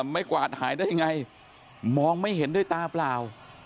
ไม่กวาดหายได้ยังไงมองไม่เห็นด้วยตาเปล่า